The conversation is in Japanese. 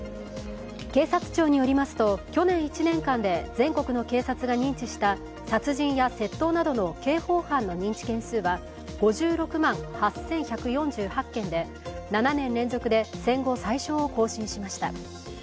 警察庁によりますと、去年１年間で全国の警察が認知した殺人や窃盗などの刑法犯の認知件数は５６万８１４８件で、７年連続で戦後最少を更新しました。